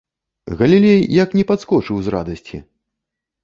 Галілей як не падскочыў з радасці.